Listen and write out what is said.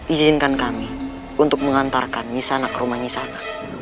izinkan kami untuk mengantarkan nyi sanak ke rumah nyi sanak